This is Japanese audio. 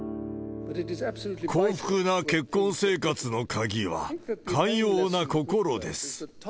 幸福な結婚生活の鍵は、寛容な心です。